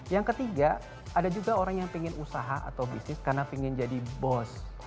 yang ketiga ada juga orang yang ingin usaha atau bisnis karena ingin jadi bos